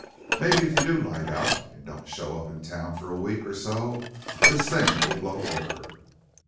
Maybe if you do light out and don't show up in town for a week or so this thing will blow over."